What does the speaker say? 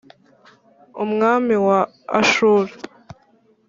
umwami wa Ashuru,